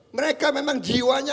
mereka memang jiwanya